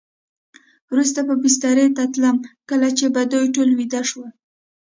وروسته به بسترې ته تلم، کله چې به دوی ټول ویده شول.